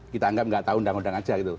kita anggap nggak tahu undang undang aja gitu